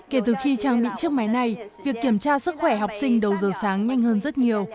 kể từ khi trang bị chiếc máy này việc kiểm tra sức khỏe học sinh đầu giờ sáng nhanh hơn rất nhiều